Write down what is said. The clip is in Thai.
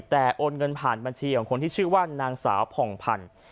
แต่โอนเงินผ่านบัญชีของคนที่ชื่อว่านางสาวผ่องพันธุ์